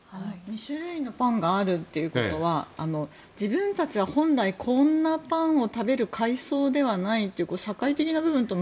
２種類のパンがあるということは自分たちは本来こんなパンを食べる階層ではないというか社会的な部分と